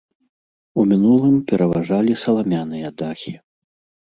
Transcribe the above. У мінулым пераважалі саламяныя дахі.